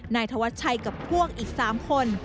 นายทวชประจมย์กับพวกอีก๓คน